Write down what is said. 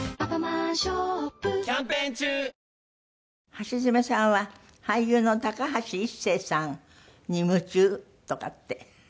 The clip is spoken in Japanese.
橋爪さんは俳優の高橋一生さんに夢中とかって。